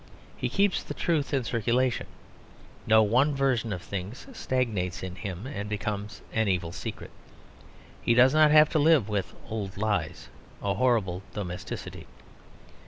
He keeps the truth in circulation; no one version of things stagnates in him and becomes an evil secret. He does not have to live with old lies; a horrible domesticity.